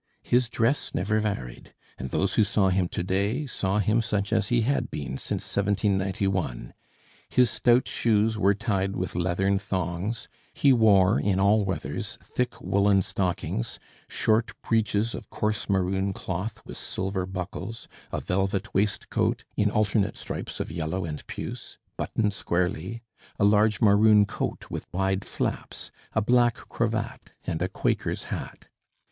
His dress never varied; and those who saw him to day saw him such as he had been since 1791. His stout shoes were tied with leathern thongs; he wore, in all weathers, thick woollen stockings, short breeches of coarse maroon cloth with silver buckles, a velvet waistcoat, in alternate stripes of yellow and puce, buttoned squarely, a large maroon coat with wide flaps, a black cravat, and a quaker's hat.